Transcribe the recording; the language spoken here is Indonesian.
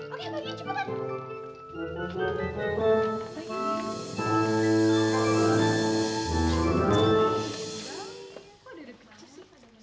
oke bagiin cepetan